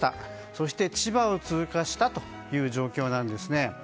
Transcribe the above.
そして千葉を通過したという状況なんですね。